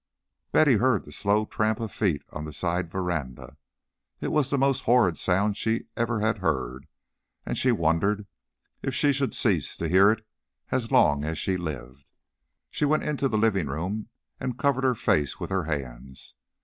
Betty heard the slow tramp of feet on the side veranda. It was the most horrid sound she ever had heard, and she wondered if she should cease to hear it as long as she lived. She went into the living room and covered her face with her hands.